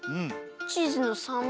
チーズのさん